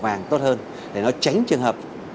vàng tốt hơn để nó tránh trường hợp